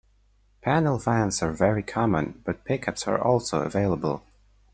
Panel vans are very common, but pickups are also available.